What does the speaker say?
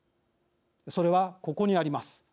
それはここにあります。